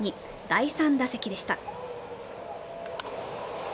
第３打席でした。